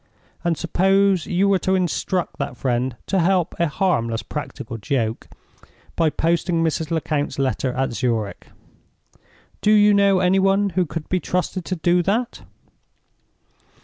And suppose you were to instruct that friend to help a harmless practical joke by posting Mrs. Lecount's letter at Zurich? Do you know any one who could be trusted to do that?"